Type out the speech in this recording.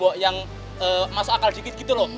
kok yang masuk akal dikit gitu loh